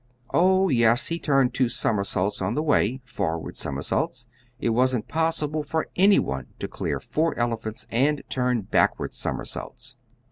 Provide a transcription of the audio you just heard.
Oh, yes, he turned two somersaults on the way forward somersaults. It wasn't possible for anybody to clear four elephants and turn backward somersaults.